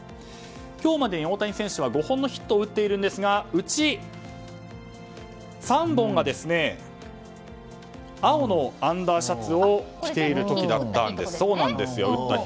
今日までに大谷選手は５本のヒットを打っていますがうち３本が青のアンダーシャツを着ている時だったんです。